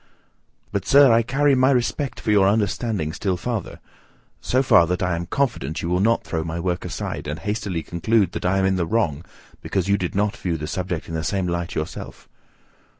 But, sir, I carry my respect for your understanding still farther: so far, that I am confident you will not throw my work aside, and hastily conclude that I am in the wrong because you did not view the subject in the same light yourself.